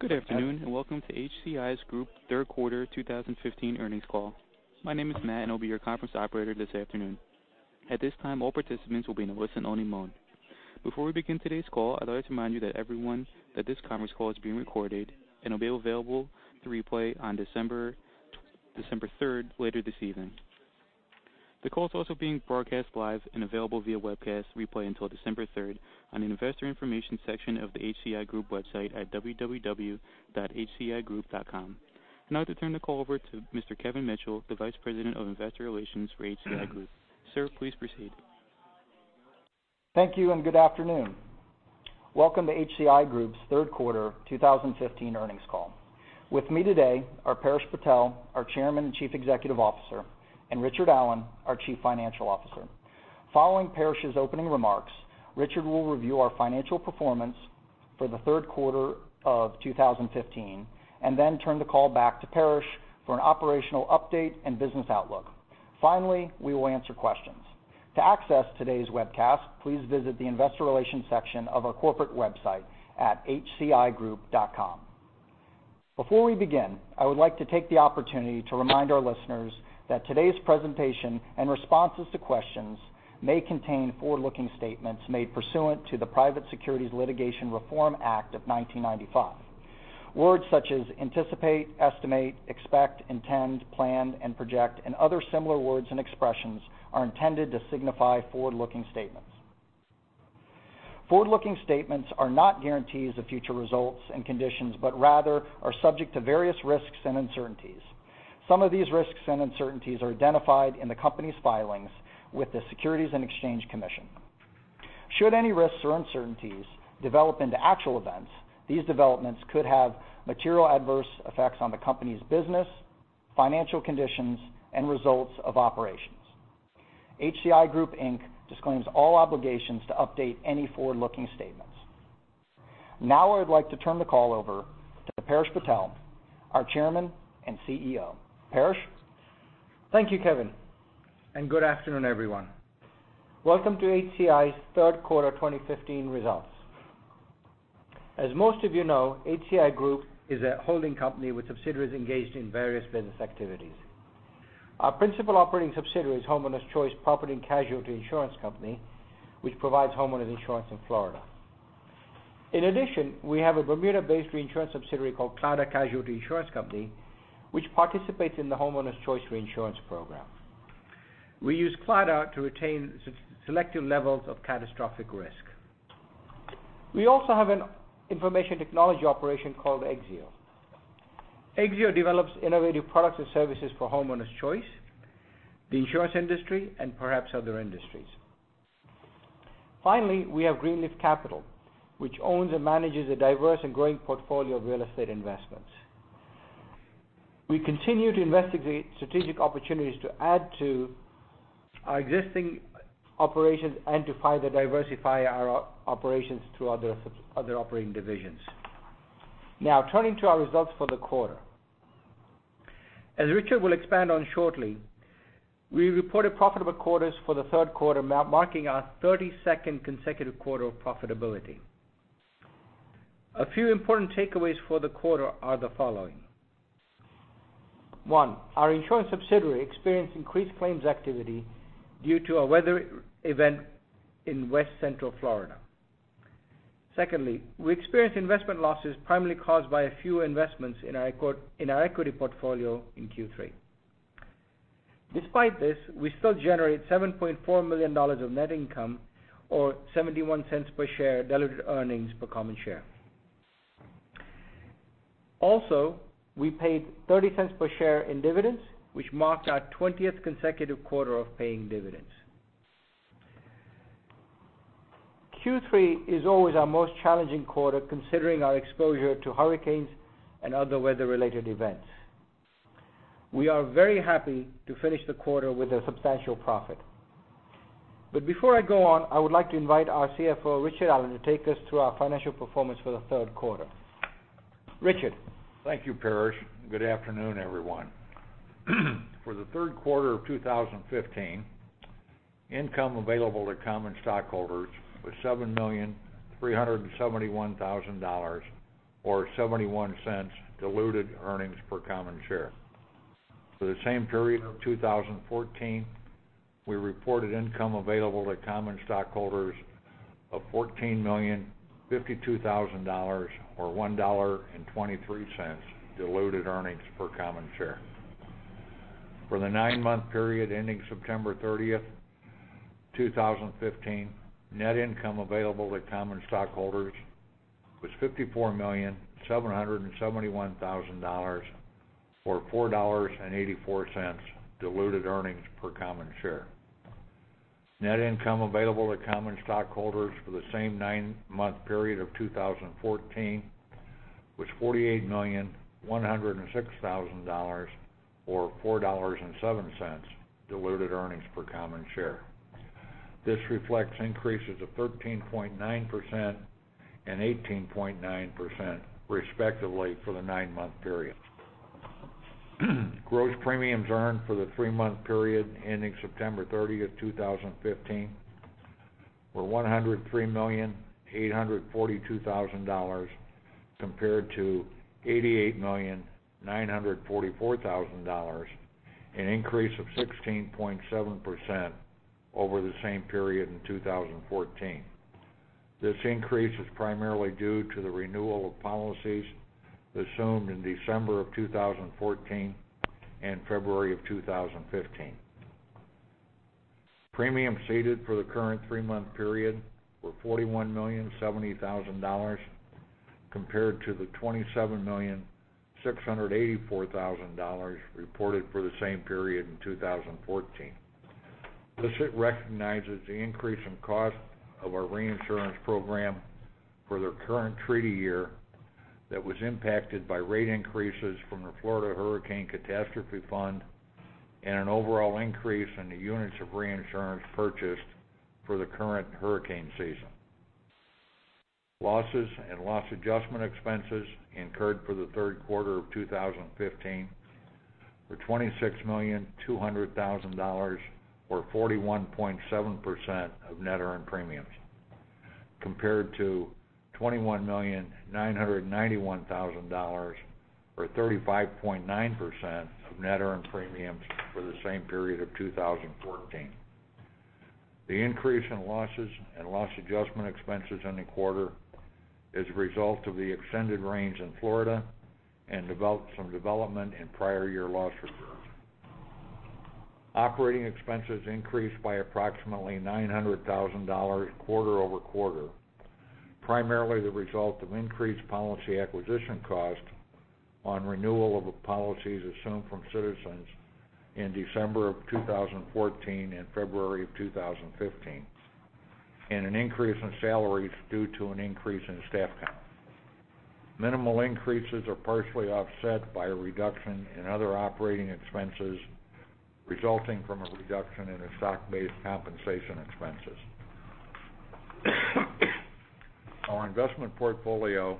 Good afternoon, and welcome to HCI Group third quarter 2015 earnings call. My name is Matt, and I'll be your conference operator this afternoon. At this time, all participants will be in a listen-only mode. Before we begin today's call, I'd like to remind everyone that this conference call is being recorded and will be available to replay on December 3rd, later this evening. The call is also being broadcast live and available via webcast replay until December 3rd on the investor information section of the HCI Group website at hcigroup.com. I'd now like to turn the call over to Mr. Kevin Mitchell, the Vice President of Investor Relations for HCI Group. Sir, please proceed. Thank you, and good afternoon. Welcome to HCI Group's third quarter 2015 earnings call. With me today are Paresh Patel, our Chairman and Chief Executive Officer, and Richard Allen, our Chief Financial Officer. Following Paresh's opening remarks, Richard will review our financial performance for the third quarter of 2015 and then turn the call back to Paresh for an operational update and business outlook. Finally, we will answer questions. To access today's webcast, please visit the investor relations section of our corporate website at hcigroup.com. Before we begin, I would like to take the opportunity to remind our listeners that today's presentation and responses to questions may contain forward-looking statements made pursuant to the Private Securities Litigation Reform Act of 1995. Words such as anticipate, estimate, expect, intend, plan, and project and other similar words and expressions are intended to signify forward-looking statements. Forward-looking statements are not guarantees of future results and conditions but rather are subject to various risks and uncertainties. Some of these risks and uncertainties are identified in the company's filings with the Securities and Exchange Commission. Should any risks or uncertainties develop into actual events, these developments could have material adverse effects on the company's business, financial conditions, and results of operations. HCI Group, Inc. disclaims all obligations to update any forward-looking statements. Now, I would like to turn the call over to Paresh Patel, our Chairman and CEO. Paresh. Thank you, Kevin, and good afternoon, everyone. Welcome to HCI's third quarter 2015 results. As most of you know, HCI Group is a holding company with subsidiaries engaged in various business activities. Our principal operating subsidiary is Homeowners Choice Property & Casualty Insurance Company, which provides homeowners insurance in Florida. In addition, we have a Bermuda-based reinsurance subsidiary called Claddagh Casualty Insurance Company, which participates in the Homeowners Choice reinsurance program. We use Claddagh to retain selective levels of catastrophic risk. We also have an information technology operation called Exzeo. Exzeo develops innovative products and services for Homeowners Choice, the insurance industry, and perhaps other industries. Finally, we have Greenleaf Capital, which owns and manages a diverse and growing portfolio of real estate investments. We continue to investigate strategic opportunities to add to our existing operations and to further diversify our operations through other operating divisions. Turning to our results for the quarter. As Richard will expand on shortly, we reported profitable quarters for the third quarter, marking our 32nd consecutive quarter of profitability. A few important takeaways for the quarter are the following. One, our insurance subsidiary experienced increased claims activity due to a weather event in West Central Florida. Secondly, we experienced investment losses primarily caused by a few investments in our equity portfolio in Q3. Despite this, we still generate $7.4 million of net income or $0.71 diluted earnings per common share. We paid $0.30 per share in dividends, which marked our 20th consecutive quarter of paying dividends. Q3 is always our most challenging quarter considering our exposure to hurricanes and other weather-related events. We are very happy to finish the quarter with a substantial profit. Before I go on, I would like to invite our CFO, Richard Allen, to take us through our financial performance for the third quarter. Richard. Thank you, Paresh. Good afternoon, everyone. For the third quarter of 2015, income available to common stockholders was $7,371,000, or $0.71 diluted earnings per common share. For the same period of 2014, we reported income available to common stockholders of $14,052,000, or $1.23 diluted earnings per common share. For the nine-month period ending September 30th, 2015, net income available to common stockholders was $54,771,000, or $4.84 diluted earnings per common share. Net income available to common stockholders for the same nine-month period of 2014 was $48,106,000, or $4.07 diluted earnings per common share. This reflects increases of 13.9% and 18.9% respectively for the nine-month period. Gross premiums earned for the three-month period ending September 30th, 2015 were $103,842,000 compared to $88,944,000, an increase of 16.7% over the same period in 2014. This increase is primarily due to the renewal of policies assumed in December of 2014 and February of 2015. Premiums ceded for the current three-month period were $41,070,000 compared to the $27,684,000 reported for the same period in 2014. This recognizes the increase in cost of our reinsurance program for the current treaty year that was impacted by rate increases from the Florida Hurricane Catastrophe Fund and an overall increase in the units of reinsurance purchased for the current hurricane season. Losses and loss adjustment expenses incurred for the third quarter of 2015 were $26,200,000, or 41.7% of net earned premiums, compared to $21,991,000, or 35.9%, of net earned premiums for the same period of 2014. The increase in losses and loss adjustment expenses in the quarter is a result of the extended rains in Florida and some development in prior year loss reserves. Operating expenses increased by approximately $900,000 quarter-over-quarter, primarily the result of increased policy acquisition cost on renewal of policies assumed from Citizens in December 2014 and February 2015, and an increase in salaries due to an increase in staff count. Minimal increases are partially offset by a reduction in other operating expenses resulting from a reduction in the stock-based compensation expenses. Our investment portfolio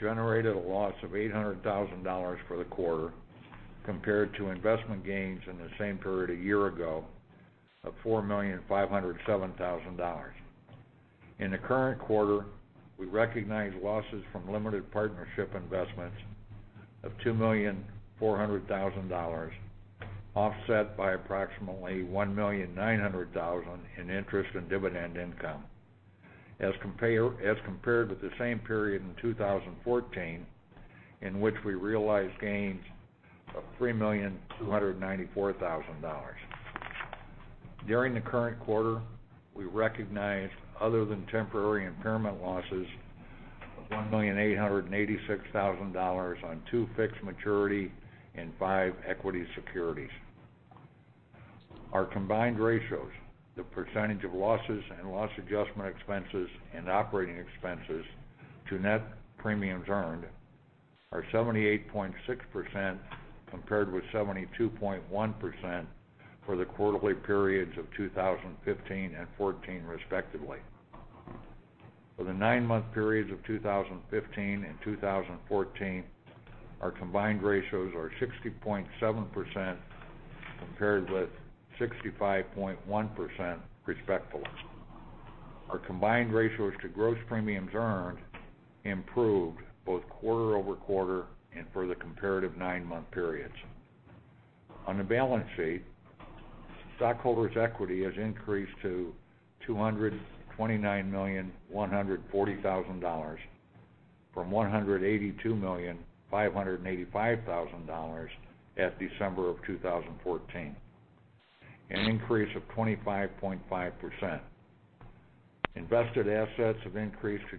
generated a loss of $800,000 for the quarter compared to investment gains in the same period a year ago of $4,507,000. In the current quarter, we recognized losses from limited partnership investments of $2,400,000, offset by approximately $1.9 million in interest and dividend income, as compared with the same period in 2014, in which we realized gains of $3,294,000. During the current quarter, we recognized other than temporary impairment losses of $1,886,000 on two fixed maturity and five equity securities. Our combined ratios, the percentage of losses and loss adjustment expenses and operating expenses to net premiums earned, are 78.6%, compared with 72.1% for the quarterly periods of 2015 and 2014, respectively. For the nine-month periods of 2015 and 2014, our combined ratios are 60.7%, compared with 65.1%, respectively. Our combined ratios to gross premiums earned improved both quarter-over-quarter and for the comparative nine-month periods. On the balance sheet, stockholders' equity has increased to $229,140,000 from $182,585,000 at December 2014, an increase of 25.5%. Invested assets have increased to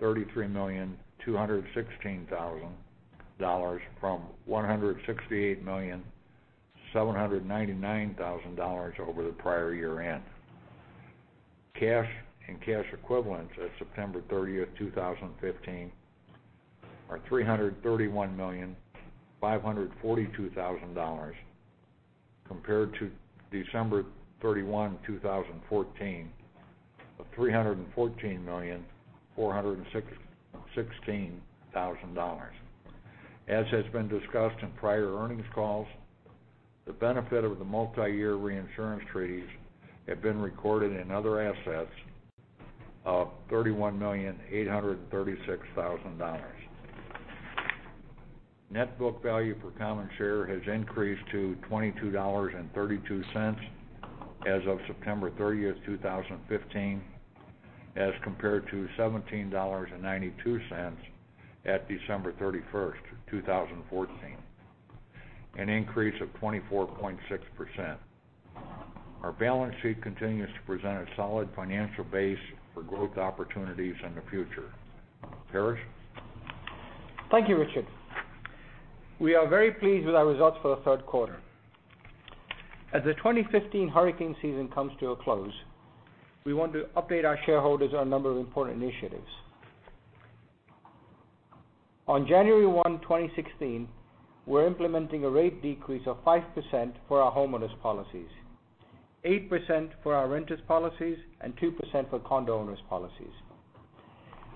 $233,216,000 from $168,799,000 over the prior year end. Cash and cash equivalents at September 30, 2015 are $331,542,000 compared to December 31, 2014 of $314,416,000. As has been discussed in prior earnings calls, the benefit of the multiyear reinsurance treaties have been recorded in other assets of $31,836,000. Net book value per common share has increased to $22.32 as of September 30, 2015, as compared to $17.92 at December 31, 2014, an increase of 24.6%. Our balance sheet continues to present a solid financial base for growth opportunities in the future. Paresh? Thank you, Richard. We are very pleased with our results for the third quarter. As the 2015 hurricane season comes to a close, we want to update our shareholders on a number of important initiatives. On January 1, 2016, we're implementing a rate decrease of 5% for our homeowners policies, 8% for our renters' policies, and 2% for condo owners' policies.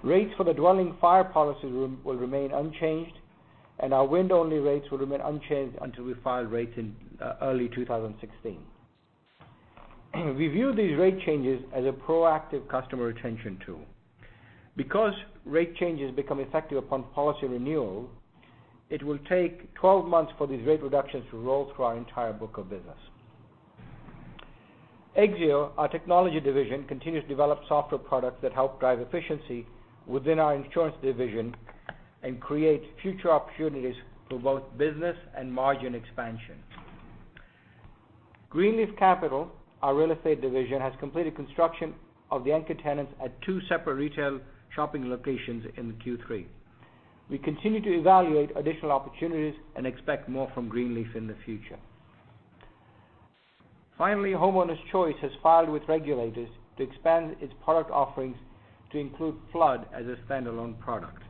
Rates for the dwelling fire policy will remain unchanged, and our wind-only rates will remain unchanged until we file rates in early 2016. We view these rate changes as a proactive customer retention tool. Because rate changes become effective upon policy renewal, it will take 12 months for these rate reductions to roll through our entire book of business. Exzeo, our technology division, continues to develop software products that help drive efficiency within our insurance division and create future opportunities for both business and margin expansion. Greenleaf Capital, our real estate division, has completed construction of the anchor tenants at two separate retail shopping locations in Q3. We continue to evaluate additional opportunities and expect more from Greenleaf in the future. Finally, Homeowners Choice has filed with regulators to expand its product offerings to include flood as a standalone product.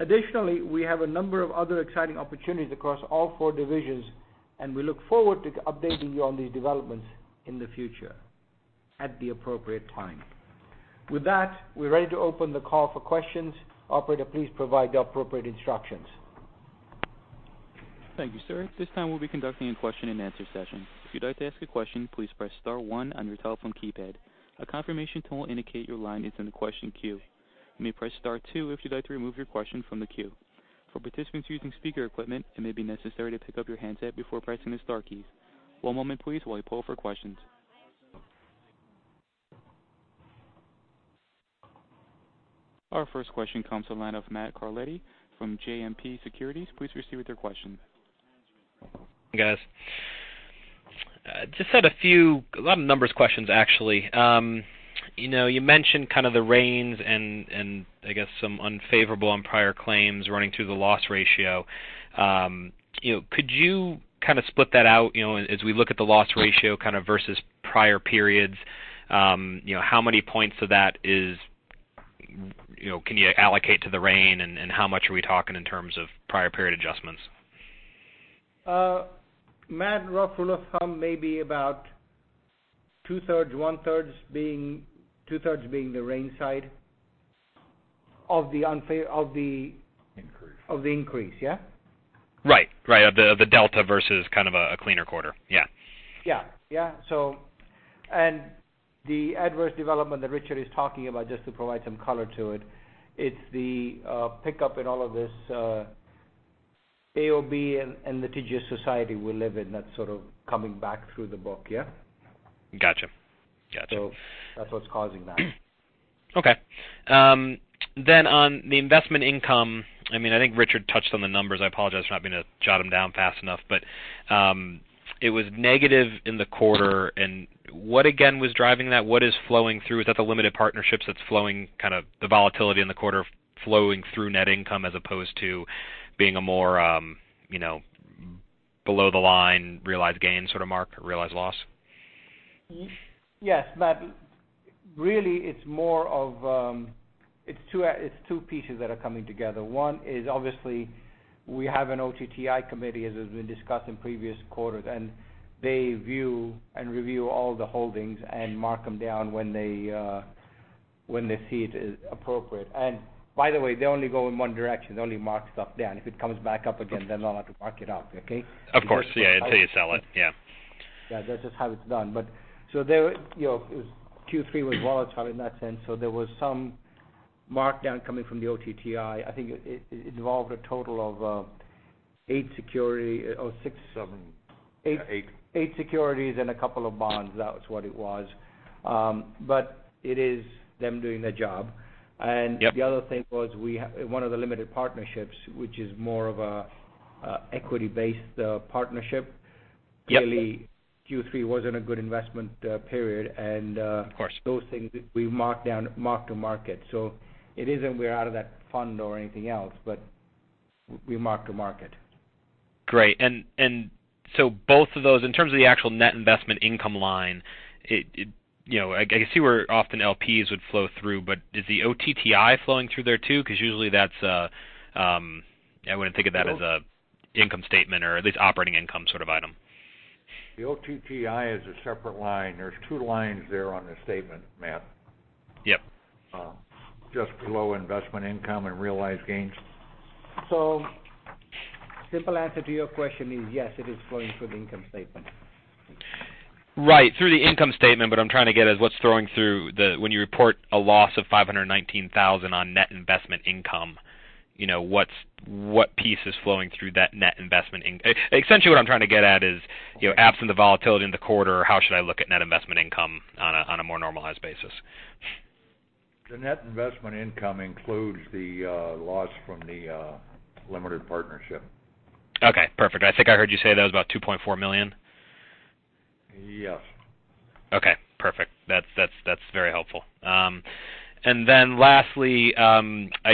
Additionally, we have a number of other exciting opportunities across all four divisions, and we look forward to updating you on these developments in the future at the appropriate time. With that, we're ready to open the call for questions. Operator, please provide the appropriate instructions. Thank you, sir. At this time, we'll be conducting a question and answer session. If you'd like to ask a question, please press star one on your telephone keypad. A confirmation tone will indicate your line is in the question queue. You may press star two if you'd like to remove your question from the queue. For participants using speaker equipment, it may be necessary to pick up your handset before pressing the star keys. One moment please while we poll for questions. Our first question comes to the line of Matt Carletti from JMP Securities. Please proceed with your question. Hey, guys. Just had a few, a lot of numbers questions, actually. You mentioned kind of the rains and I guess some unfavorable on prior claims running through the loss ratio. Could you kind of split that out as we look at the loss ratio kind of versus prior periods? How many points of that can you allocate to the rain, and how much are we talking in terms of prior period adjustments? Matt, rough rule of thumb, maybe about two-thirds, one-thirds, two-thirds being the rain side of the. Increase of the increase, yeah? Right. Of the delta versus kind of a cleaner quarter. Yeah. Yeah. The adverse development that Richard is talking about, just to provide some color to it's the pickup in all of this AOB and litigious society we live in, that's sort of coming back through the book, yeah? Gotcha. That's what's causing that. On the investment income, I think Richard touched on the numbers. I apologize for not being to jot them down fast enough, it was negative in the quarter. What again was driving that? What is flowing through? Is that the limited partnerships that's flowing kind of the volatility in the quarter flowing through net income as opposed to being a more below the line realized gain sort of mark, realized loss? Yes, Matt. Really, it's two pieces that are coming together. One is obviously we have an OTTI committee, as has been discussed in previous quarters, they view and review all the holdings and mark them down when they see it is appropriate. By the way, they only go in one direction. They only mark stuff down. If it comes back up again, they'll have to mark it up. Okay? Of course. Yeah. Until you sell it. Yeah. Yeah, that's just how it's done. Q3 was volatile in that sense, so there was some markdown coming from the OTTI. I think it involved a total of eight security or six- Seven. Yeah, eight eight securities and a couple of bonds. That was what it was. It is them doing their job. Yep. The other thing was one of the limited partnerships, which is more of a equity-based partnership. Yep. Clearly, Q3 wasn't a good investment period. Of course Those things we mark to market. It isn't we're out of that fund or anything else, but we mark to market. Great. Both of those, in terms of the actual net investment income line, I can see where often LPs would flow through, but is the OTTI flowing through there too? Usually I wouldn't think of that as a income statement or at least operating income sort of item. The OTTI is a separate line. There's two lines there on the statement, Matt. Yep. Just below investment income and realized gains. Simple answer to your question is yes, it is flowing through the income statement. Right, through the income statement, but what I'm trying to get at is what's flowing through when you report a loss of $519,000 on net investment income. What piece is flowing through that net investment? Essentially, what I'm trying to get at is, absent the volatility in the quarter, how should I look at net investment income on a more normalized basis? The net investment income includes the loss from the limited partnership. Okay, perfect. I think I heard you say that was about $2.4 million. Yes. Okay, perfect. That's very helpful. Lastly, I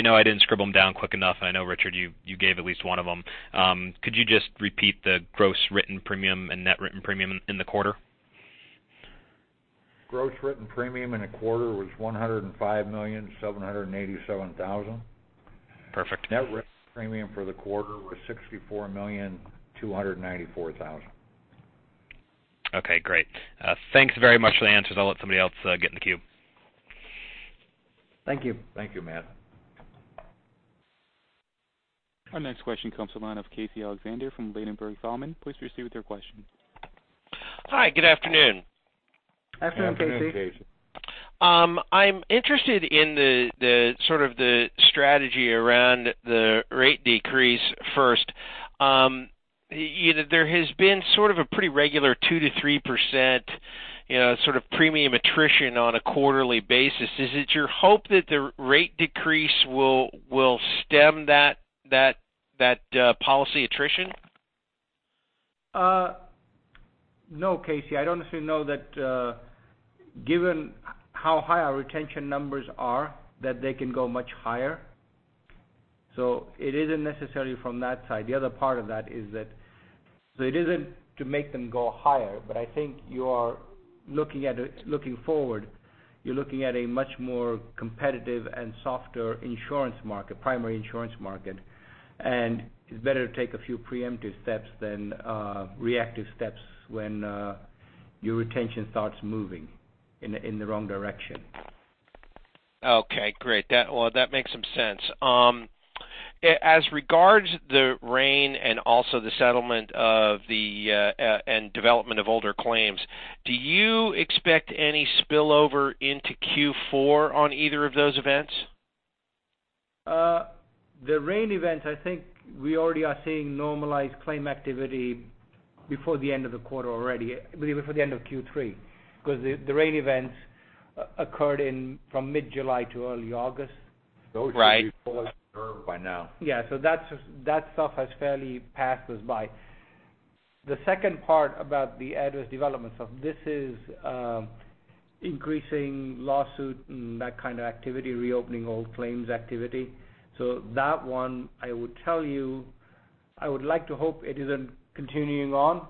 know I didn't scribble them down quick enough, and I know, Richard, you gave at least one of them. Could you just repeat the gross written premium and net written premium in the quarter? Gross written premium in a quarter was $105,787,000. Perfect. Net written premium for the quarter was $64,294,000. Okay, great. Thanks very much for the answers. I'll let somebody else get in the queue. Thank you. Thank you, Matt. Our next question comes to the line of Casey Alexander from Ladenburg Thalmann. Please proceed with your question. Hi, good afternoon. Afternoon, Casey. Good afternoon, Casey. I'm interested in the strategy around the rate decrease first. There has been sort of a pretty regular 2%-3% premium attrition on a quarterly basis. Is it your hope that the rate decrease will stem that policy attrition? No, Casey, I don't actually know that, given how high our retention numbers are, that they can go much higher. It isn't necessary from that side. The other part of that is that it isn't to make them go higher, but I think you are, looking forward, you're looking at a much more competitive and softer primary insurance market. It's better to take a few preemptive steps than reactive steps when your retention starts moving in the wrong direction. Okay, great. That makes some sense. As regards the rain and also the settlement and development of older claims, do you expect any spillover into Q4 on either of those events? The rain events, I think we already are seeing normalized claim activity before the end of Q3, because the rain events occurred from mid-July to early August. Right. Those should be fully served by now. That stuff has fairly passed us by. The second part about the adverse development stuff, this is increasing lawsuit and that kind of activity, reopening old claims activity. That one, I would like to hope it isn't continuing on.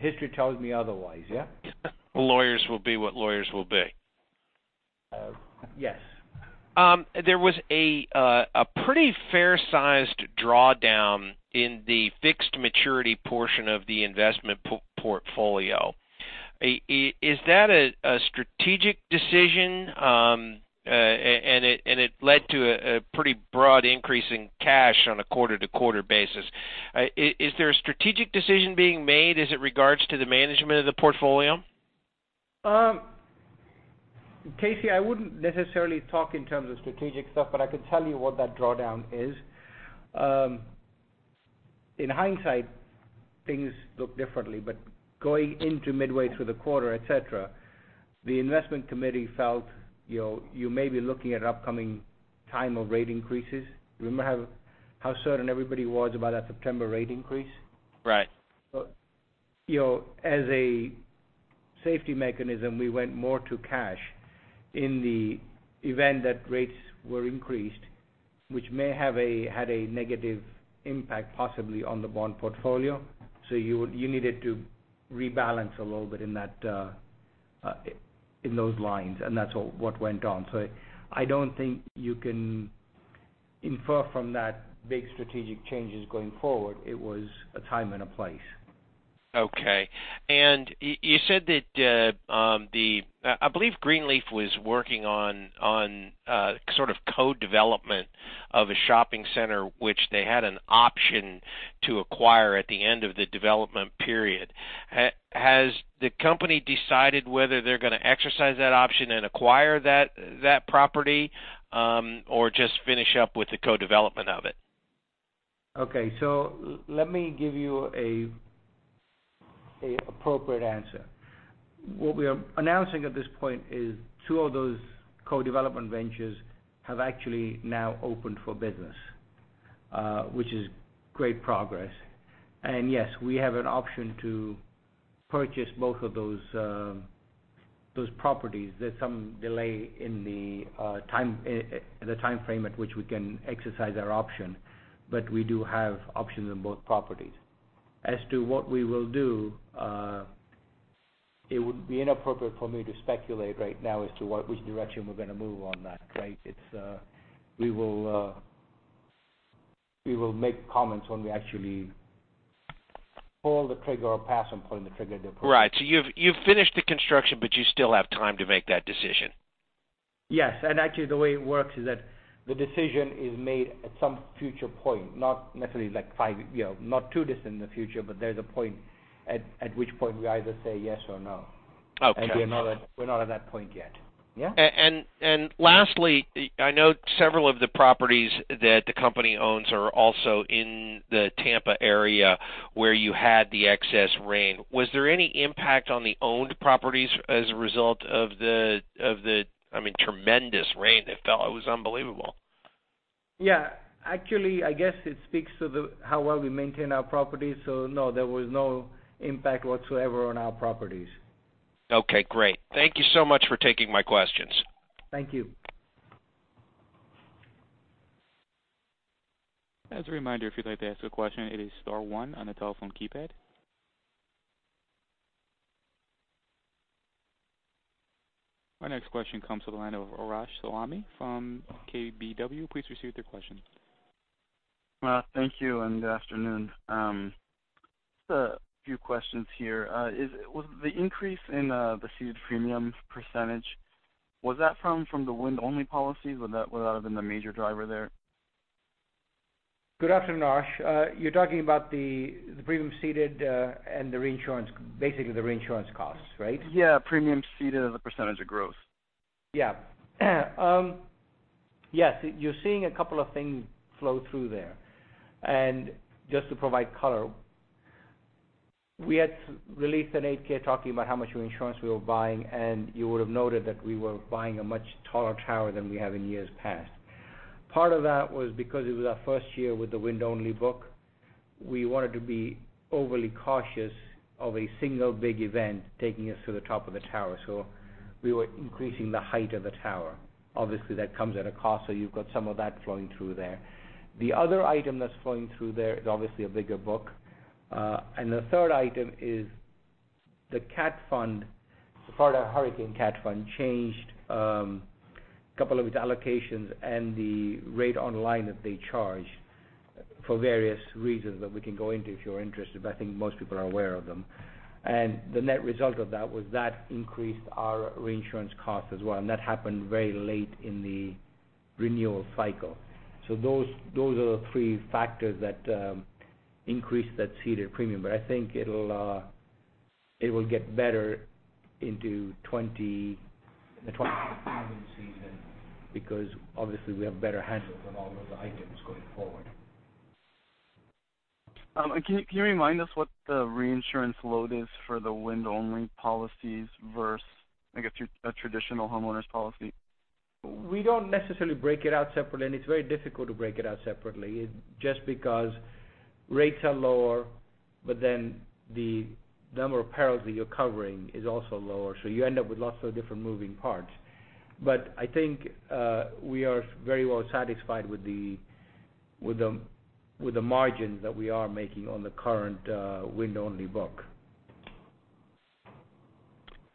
History tells me otherwise, yeah. Lawyers will be what lawyers will be. Yes. There was a pretty fair-sized drawdown in the fixed maturity portion of the investment portfolio. Is that a strategic decision? It led to a pretty broad increase in cash on a quarter-over-quarter basis. Is there a strategic decision being made as it regards to the management of the portfolio? Casey, I wouldn't necessarily talk in terms of strategic stuff, I could tell you what that drawdown is. In hindsight, things look differently, going into midway through the quarter, et cetera, the investment committee felt you may be looking at an upcoming time of rate increases. Remember how certain everybody was about that September rate increase? Right. As a safety mechanism, we went more to cash in the event that rates were increased, which may have had a negative impact possibly on the bond portfolio. You needed to rebalance a little bit in those lines, and that's what went on. I don't think you can infer from that big strategic changes going forward. It was a time and a place. Okay. You said that the, I believe Greenleaf was working on sort of co-development of a shopping center, which they had an option to acquire at the end of the development period. Has the company decided whether they're going to exercise that option and acquire that property, or just finish up with the co-development of it? Okay. Let me give you an appropriate answer. What we are announcing at this point is two of those co-development ventures have actually now opened for business, which is great progress. Yes, we have an option to purchase both of those properties. There's some delay in the timeframe at which we can exercise our option, but we do have options on both properties. As to what we will do, it would be inappropriate for me to speculate right now as to which direction we're going to move on that. Right? We will make comments when we actually pull the trigger or pass on pulling the trigger at the appropriate time. Right. You've finished the construction, but you still have time to make that decision. Yes. Actually, the way it works is that the decision is made at some future point, not too distant in the future, but there's a point at which point we either say yes or no. Okay. We're not at that point yet. Yeah? Lastly, I know several of the properties that the company owns are also in the Tampa area where you had the excess rain. Was there any impact on the owned properties as a result of the tremendous rain that fell? It was unbelievable. Yeah. Actually, I guess it speaks to how well we maintain our properties. No, there was no impact whatsoever on our properties. Okay, great. Thank you so much for taking my questions. Thank you. As a reminder, if you'd like to ask a question, it is star one on the telephone keypad. Our next question comes to the line of Arash Soleimani from KBW. Please proceed with your question. Thank you, good afternoon. Just a few questions here. Was the increase in the ceded premium percentage, was that from the wind-only policy? Would that have been the major driver there? Good afternoon, Arash. You're talking about the premium ceded and the reinsurance, basically the reinsurance costs, right? Yeah. Premium ceded as a percentage of gross. Yeah. Yes, you're seeing a couple of things flow through there. Just to provide color, we had released an 8-K talking about how much reinsurance we were buying, and you would've noted that we were buying a much taller tower than we have in years past. Part of that was because it was our first year with the wind-only book. We wanted to be overly cautious of a single big event taking us to the top of the tower, so we were increasing the height of the tower. Obviously, that comes at a cost, so you've got some of that flowing through there. The other item that's flowing through there is obviously a bigger book. The third item is the Cat Fund. The Florida Hurricane Cat Fund changed a couple of its allocations and the rate online that they charge for various reasons that we can go into if you're interested, but I think most people are aware of them. The net result of that was that increased our reinsurance cost as well, and that happened very late in the renewal cycle. Those are the three factors that increased that ceded premium. I think it will get better into the 2015 season because obviously, we have a better handle on all of the items going forward. Can you remind us what the reinsurance load is for the wind-only policies versus, I guess, a traditional homeowners policy? We don't necessarily break it out separately, and it's very difficult to break it out separately, just because rates are lower, but then the number of perils that you're covering is also lower. You end up with lots of different moving parts. I think we are very well satisfied with the margins that we are making on the current wind-only book.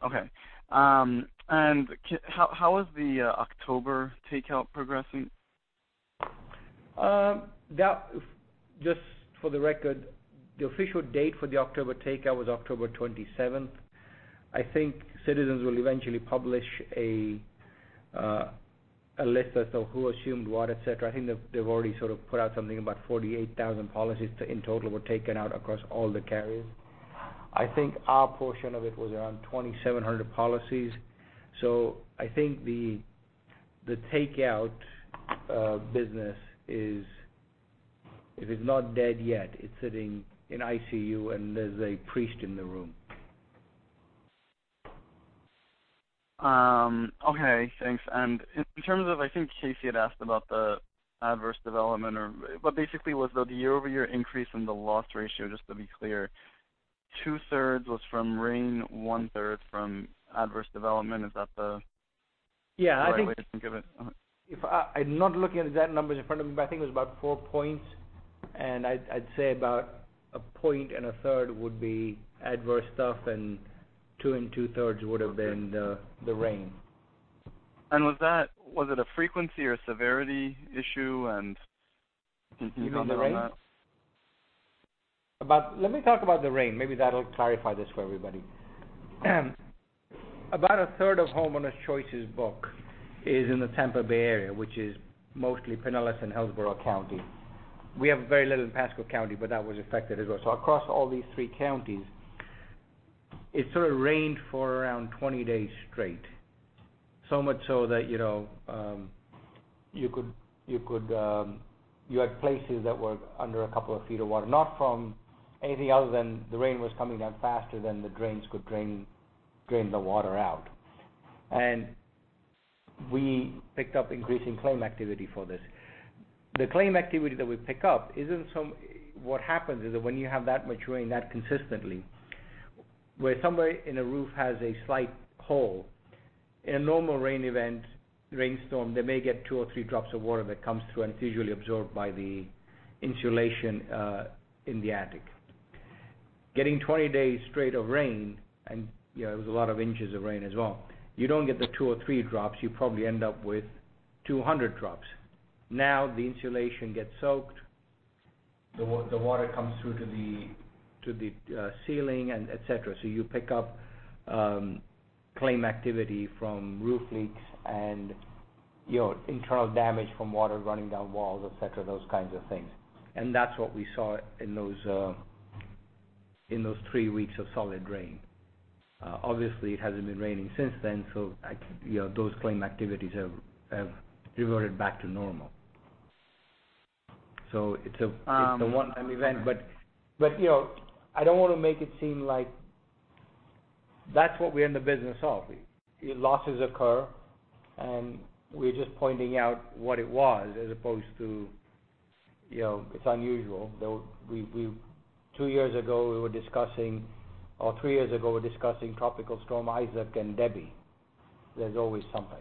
Okay. How is the October takeout progressing? Just for the record, the official date for the October takeout was October 27th. I think Citizens will eventually publish a list as to who assumed what, et cetera. I think they've already sort of put out something, about 48,000 policies in total were taken out across all the carriers. I think our portion of it was around 2,700 policies. I think the takeout business is not dead yet. It's sitting in ICU, and there's a priest in the room. Okay, thanks. In terms of, I think Casey had asked about the adverse development or what basically was the year-over-year increase in the loss ratio, just to be clear. Two-thirds was from rain, one-third from adverse development. Is that the- Yeah right way to think of it? I'm not looking at that number. It's in front of me, but I think it was about four points. I'd say about a point and a third would be adverse stuff, and two and two-thirds would have been the rain. Was it a frequency or a severity issue? Can you comment on that? About the rain. Let me talk about the rain. Maybe that'll clarify this for everybody. About a third of Homeowners Choice's book is in the Tampa Bay area, which is mostly Pinellas and Hillsborough County. We have very little in Pasco County, but that was affected as well. Across all these three counties, it sort of rained for around 20 days straight, so much so that you had places that were under a couple of feet of water. Not from anything other than the rain was coming down faster than the drains could drain the water out. We picked up increasing claim activity for this. The claim activity that we pick up. What happens is that when you have that much rain that consistently, where somebody in a roof has a slight hole, in a normal rain event, rainstorm, they may get two or three drops of water that comes through, and it's usually absorbed by the insulation in the attic. Getting 20 days straight of rain, and it was a lot of inches of rain as well, you don't get the two or three drops. You probably end up with 200 drops. Now, the insulation gets soaked. The water comes through to the ceiling and et cetera. You pick up claim activity from roof leaks and internal damage from water running down walls, et cetera, those kinds of things. That's what we saw in those three weeks of solid rain. Obviously, it hasn't been raining since then, those claim activities have reverted back to normal. It's a one-time event. I don't want to make it seem like that's what we're in the business of. Losses occur. We're just pointing out what it was as opposed to it's unusual. Two years ago, we were discussing, or three years ago, we were discussing Tropical Storm Isaac and Debby. There's always something.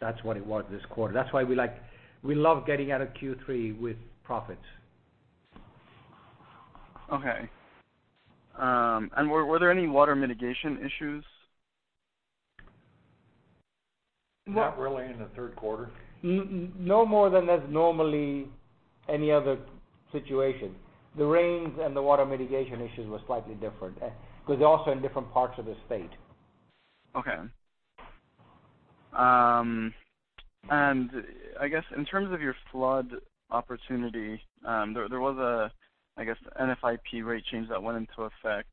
That's what it was this quarter. That's why we love getting out of Q3 with profit. Okay. Were there any water mitigation issues? Not really in the third quarter. No more than there's normally any other situation. The rains and the water mitigation issues were slightly different, because they're also in different parts of the state. Okay. I guess in terms of your flood opportunity, there was I guess, NFIP rate change that went into effect.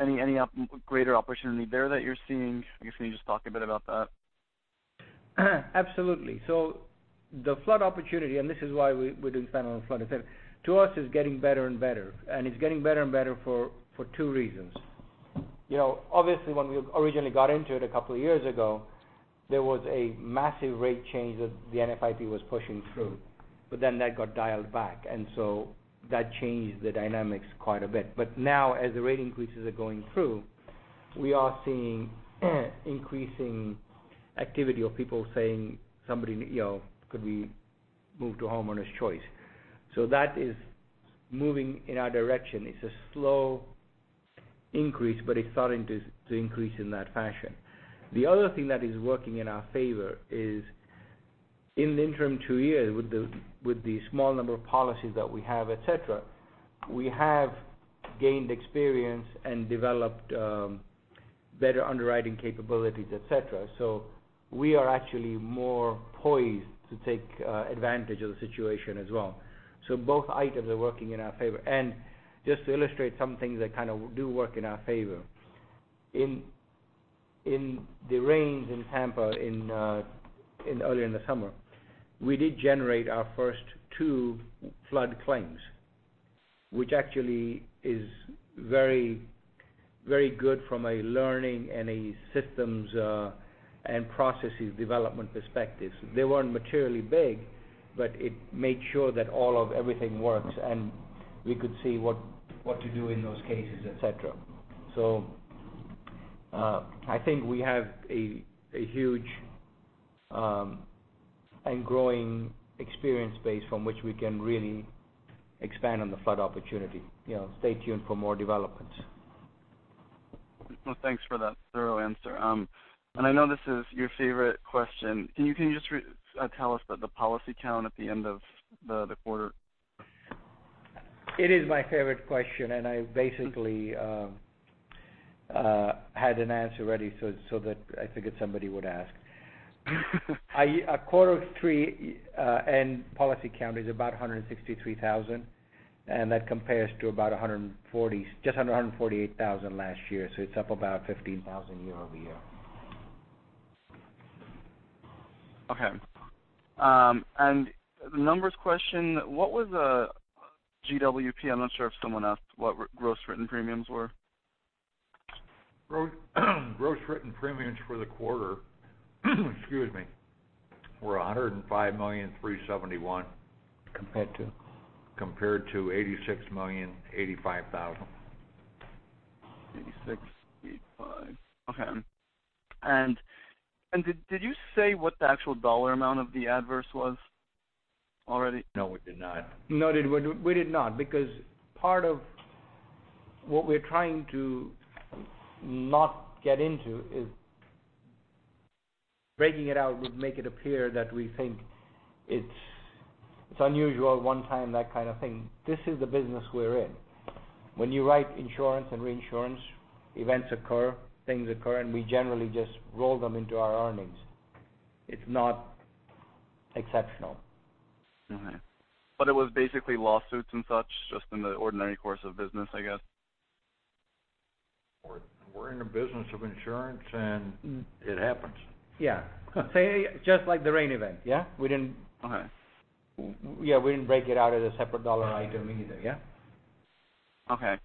Any greater opportunity there that you're seeing? I guess, can you just talk a bit about that? Absolutely. The flood opportunity, and this is why we're doing spend on flood, et cetera, to us, is getting better and better. It's getting better and better for two reasons. Obviously, when we originally got into it a couple of years ago, there was a massive rate change that the NFIP was pushing through, that got dialed back. That changed the dynamics quite a bit. Now, as the rate increases are going through, we are seeing increasing activity of people saying, "Could we move to Homeowners Choice?" That is moving in our direction. It's a slow increase, but it's starting to increase in that fashion. The other thing that is working in our favor is in the interim two years, with the small number of policies that we have, et cetera, we have gained experience and developed better underwriting capabilities, et cetera. We are actually more poised to take advantage of the situation as well. Both items are working in our favor. Just to illustrate some things that do work in our favor. In the rains in Tampa earlier in the summer, we did generate our first two flood claims, which actually is very good from a learning and a systems and processes development perspective. They weren't materially big, but it made sure that all of everything works, and we could see what to do in those cases, et cetera. I think we have a huge and growing experience base from which we can really expand on the flood opportunity. Stay tuned for more developments. Well, thanks for that thorough answer. I know this is your favorite question. Can you just tell us about the policy count at the end of the quarter? It is my favorite question. I basically had an answer ready, that I figured somebody would ask. A quarter three end policy count is about 163,000, and that compares to just under 148,000 last year. It is up about 15,000 year-over-year. Okay. Numbers question, what was GWP? I am not sure if someone asked what gross written premiums were. Gross written premiums for the quarter, excuse me, were $105,371,000. Compared to? Compared to $86,085,000. $86.85. Okay. Did you say what the actual dollar amount of the adverse was already? No, we did not. No, we did not. Part of what we're trying to not get into is breaking it out would make it appear that we think it's unusual one time, that kind of thing. This is the business we're in. When you write insurance and reinsurance, events occur, things occur, and we generally just roll them into our earnings. It's not exceptional. All right. It was basically lawsuits and such, just in the ordinary course of business, I guess? We're in a business of insurance, and it happens. Yeah. Say it just like the rain event, yeah? Okay Yeah, we didn't break it out as a separate dollar item either, yeah? Okay.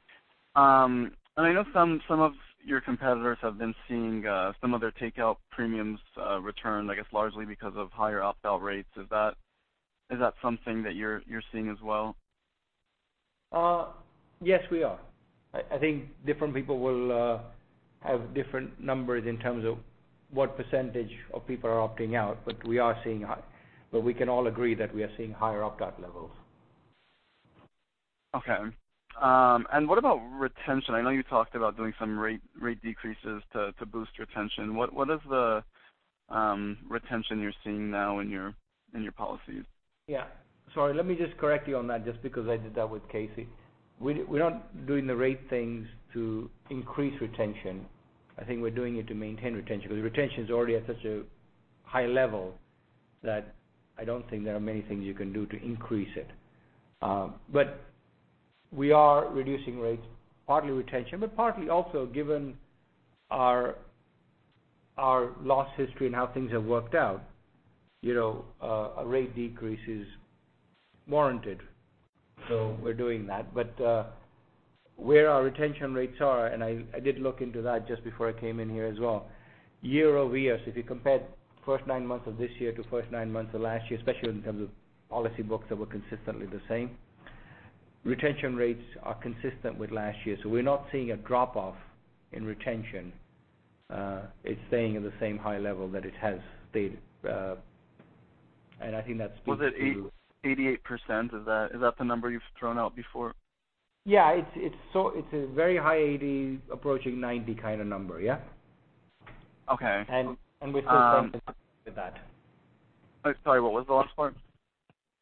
I know some of your competitors have been seeing some of their takeout premiums return, I guess, largely because of higher opt-out rates. Is that something that you're seeing as well? Yes, we are. I think different people will have different numbers in terms of what percentage of people are opting out, but we can all agree that we are seeing higher opt-out levels. Okay. What about retention? I know you talked about doing some rate decreases to boost retention. What is the retention you're seeing now in your policies? Yeah. Sorry, let me just correct you on that, just because I did that with Casey. We're not doing the rate things to increase retention. I think we're doing it to maintain retention, because retention is already at such a high level that I don't think there are many things you can do to increase it. We are reducing rates, partly retention, but partly also given our loss history and how things have worked out. A rate decrease is warranted, so we're doing that. Where our retention rates are, and I did look into that just before I came in here as well. Year-over-year, so if you compared first nine months of this year to first nine months of last year, especially in terms of policy books that were consistently the same. Retention rates are consistent with last year, so we're not seeing a drop-off in retention. It's staying at the same high level that it has stayed. I think that speaks to. Was it 88%? Is that the number you've thrown out before? Yeah. It's a very high 80, approaching 90 kind of number, yeah. Okay. We're still staying consistent with that. I'm sorry, what was the last part?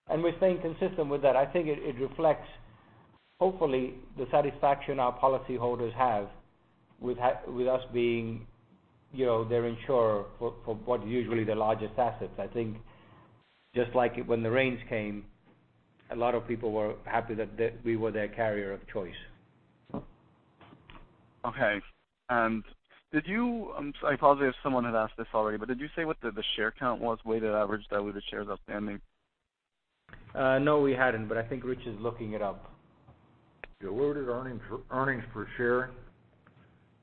We're staying consistent with that. I think it reflects, hopefully, the satisfaction our policyholders have with us being their insurer for what is usually their largest assets. I think just like when the rains came, a lot of people were happy that we were their carrier of choice. Okay. I apologize if someone had asked this already, did you say what the share count was, weighted average diluted shares outstanding? No, we hadn't, I think Rich is looking it up. The diluted earnings per share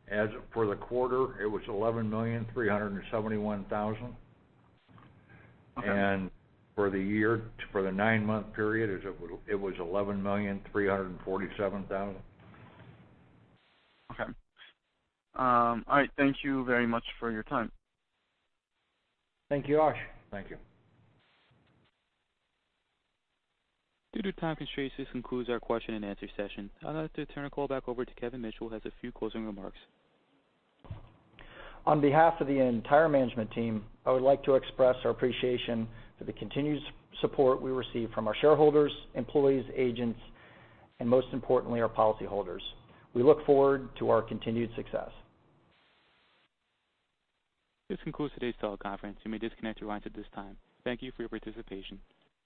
as of for the quarter, it was $11,371,000. Okay. For the year, for the nine-month period, it was $11,347,000. Okay. All right. Thank you very much for your time. Thank you, Arash. Thank you. Due to time constraints, this concludes our question and answer session. I'd like to turn the call back over to Kevin Mitchell, who has a few closing remarks. On behalf of the entire management team, I would like to express our appreciation for the continued support we receive from our shareholders, employees, agents, and most importantly, our policyholders. We look forward to our continued success. This concludes today's teleconference. You may disconnect your lines at this time. Thank you for your participation.